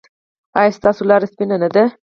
ایا ستاسو لاره سپینه نه ده؟